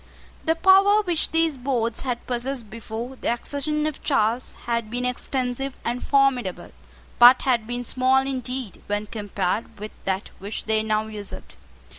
The power which these boards had possessed before the accession of Charles had been extensive and formidable, but had been small indeed when compared with that which they now usurped.